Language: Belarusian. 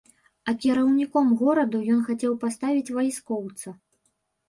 А кіраўніком гораду ён хацеў паставіць вайскоўца.